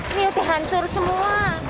ini udah hancur semua